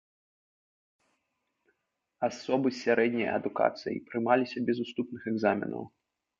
Асобы з сярэдняй адукацыяй прымаліся без уступных экзаменаў.